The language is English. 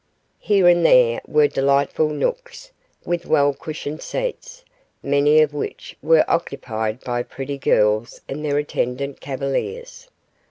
Here and there were delightful nooks, with well cushioned seats, many of which were occupied by pretty girls and their attendant cavaliers.